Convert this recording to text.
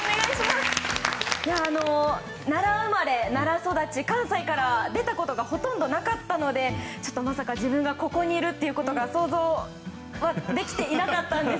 奈良生まれ、奈良育ち関西から出たことがほとんどなかったのでまさか自分がここにいるということが想像できていなかったんです。